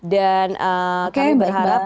dan kami berharap